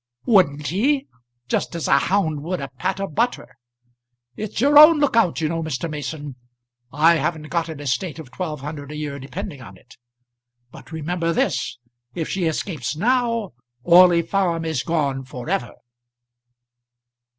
"Wouldn't he? Just as a hound would a pat of butter. It's your own look out, you know, Mr. Mason. I haven't got an estate of twelve hundred a year depending on it. But remember this; if she escapes now, Orley Farm is gone for ever."